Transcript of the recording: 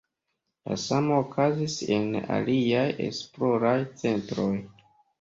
La samo okazis en aliaj esploraj centroj.